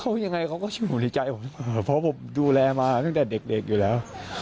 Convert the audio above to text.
เขายังไงเขาก็อยู่ในใจผมเพราะผมดูแลมาตั้งแต่เด็กอยู่แล้ว